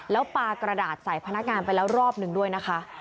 แล้วปลากระดาษใส่พนักงานไปแล้วรอบหนึ่งด้วยนะคะ